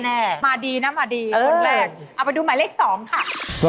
มาดีนะมาดีคนแรกเอาไปดูหมายเลข๒ค่ะ